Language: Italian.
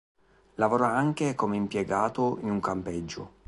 Lavora anche come impiegato in un campeggio.